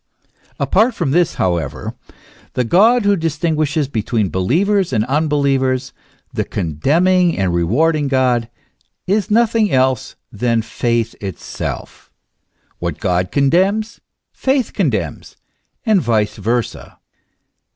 Apart from this, however, the God who distinguishes between believers and unbelievers, the condemning and rewarding God, is nothing else than faith itself. What God condemns, faith condemns, and vice versa.